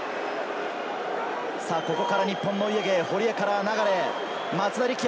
ここから日本のお家芸、堀江から流へ。